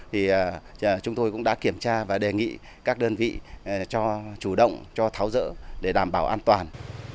thì chúng tôi cũng đã kiểm tra và đề nghị các đơn vị cho chủ động cho tháo rỡ để đảm bảo an toàn